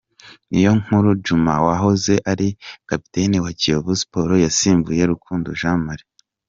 Niyonkuru Djuma wahoze ari kapiteni wa Kiyovu Sports yasimbuye Rukundo Jean Marie.